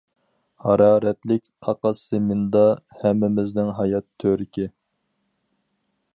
ھارارەتلىك قاقاس زېمىندا، ھەممىمىزنىڭ ھايات تۆرىكى.